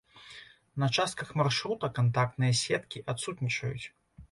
На частках маршрута кантактныя сеткі адсутнічаюць.